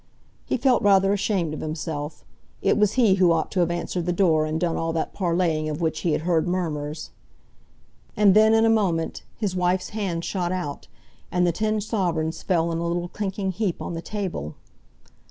He felt rather ashamed of himself; it was he who ought to have answered the door and done all that parleying of which he had heard murmurs. And then in a moment his wife's hand shot out, and the ten sovereigns fell in a little clinking heap on the table.